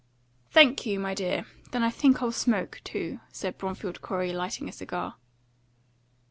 "Thank you, my dear; then I think I'll smoke too," said Bromfield Corey, lighting a cigar.